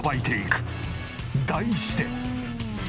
題して。